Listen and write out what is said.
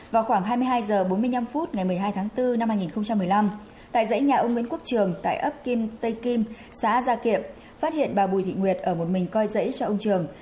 vào khoảng hai mươi hai h bốn mươi năm phút ngày một mươi hai tháng bốn năm hai nghìn một mươi năm tại dãy nhà ông nguyễn quốc trường tại ấp kim tây kim xã gia kiệm phát hiện bà bùi thị nguyệt ở một mình coi dãy cho ông trường